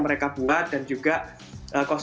dari pandangnya sudah lulus nih